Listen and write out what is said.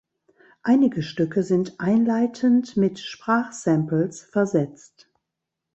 Einige Stücke sind einleitend mit Sprachsamples versetzt.